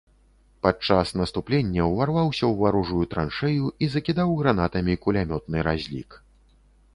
Падчас наступлення ўварваўся ў варожую траншэю і закідаў гранатамі кулямётны разлік.